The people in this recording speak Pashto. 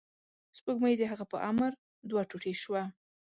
سپوږمۍ د هغه په امر دوه ټوټې شوه.